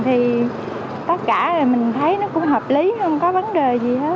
thì tất cả mình thấy nó cũng hợp lý không có vấn đề gì hết